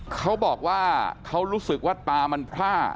เขาบอกว่าเขารู้สึกว่าตามันพร่า